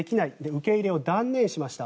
受け入れを断念しました。